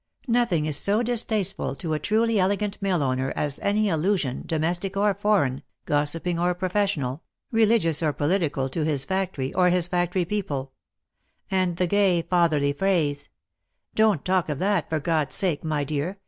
Nothing is so distasteful to a truly elegant mill owner as 138 THE LIFE AND ADVENTURES any allusion, domestic or foreign, gossiping or professional, religious or political, to his factory, or his factory people ; and the gay fatherly phrase, " Don't talk of that, for God's sake, my dear